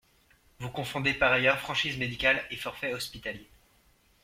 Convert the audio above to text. Vous confondez par ailleurs franchise médicale et forfait hospitalier.